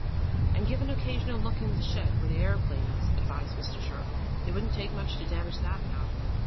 "And give an occasional look in the shed, where the aeroplane is," advised Mr. Sharp. "It wouldn't take much to damage that, now."